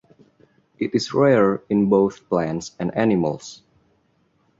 It is rare in both plants and animals.